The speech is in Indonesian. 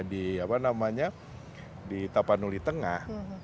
di apa namanya di tapanuli tengah